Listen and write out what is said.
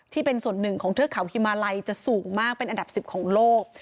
ที่เป็นส่วนหนึ่งของเทือกเขาฮิมาลัยจะสูงมากเป็นอันดับ๑๐ของโลก